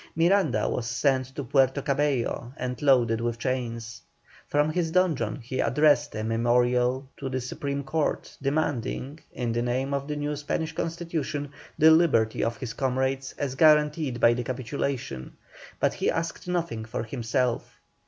Miranda was sent to Puerto Cabello and loaded with chains. From his dungeon he addressed a memorial to the Supreme Court, demanding, in the name of the new Spanish Constitution, the liberty of his comrades as guaranteed by the capitulation, but he asked nothing for himself.